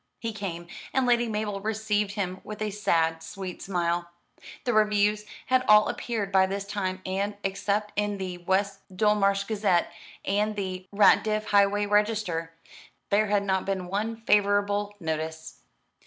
He came, and Lady Mabel received him with a sad sweet smile. The reviews had all appeared by this time: and, except in the West Dulmarsh Gazette and the Ratdiff Highway Register, there had not been one favourable notice.